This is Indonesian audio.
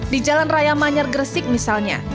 di jalan raya manyar gresik misalnya